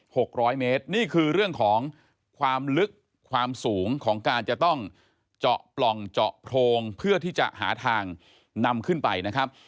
หกร้อยเมตรนี่คือเรื่องของความลึกความสูงของการจะต้องเจาะปล่องเจาะโพรงเพื่อที่จะหาทางนำขึ้นไปนะครับ